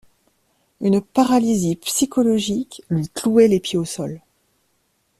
Une paralysie psychologique lui clouait les pieds au sol.